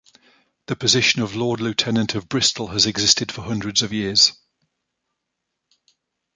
The position of Lord-Lieutenant of Bristol has existed for hundreds of years.